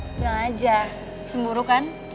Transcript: ah jangan aja cemburu kan